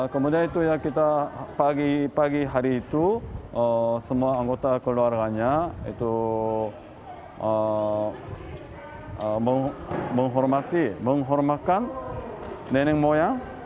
kemudian pagi pagi hari itu semua anggota keluarganya menghormati nenek moyang